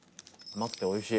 甘くておいしい。